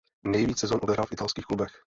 Nejvíc sezón odehrál v italských klubech.